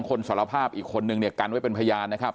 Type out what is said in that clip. สารภาพอีกคนนึงเนี่ยกันไว้เป็นพยานนะครับ